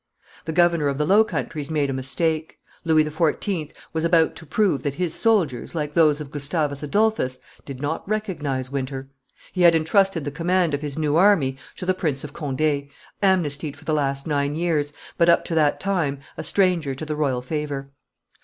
The governor of the Low Countries made a mistake: Louis XIV. was about to prove that his soldiers, like those of Gustavus Adolphus, did not recognize winter. He had intrusted the command of his new army to the Prince of Conde, amnestied for the last nine years, but, up to that time, a stranger to the royal favor.